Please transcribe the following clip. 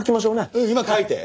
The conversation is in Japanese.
うん今書いて。